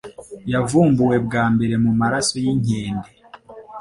yavumbuwe bwa mbere mu maraso y'inkende